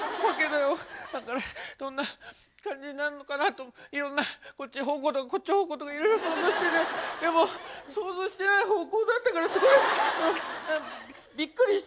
だからどんな感じになるのかなといろんなこっち方向とかこっち方向とかいろいろ想像しててでも想像してない方向だったからすごいびっくりしちゃって。